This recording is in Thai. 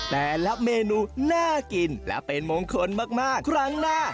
แต่ละเมนูน่ากินและเป็นมงคลมากครั้งหน้า